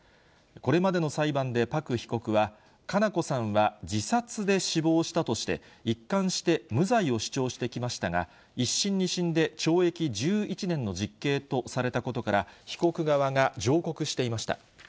これまでの裁判でパク被告は、佳菜子さんは自殺で死亡したとして、一貫して無罪を主張してきましたが、１審、２審で懲役１１年の実刑とされたことから、被告側が上告していました。